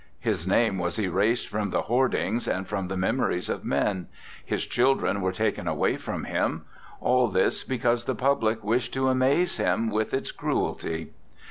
His name was erased from the hoardings and from the memories of men; his children were taken away from him; all this be cause the public wished to amaze him with its cruelty.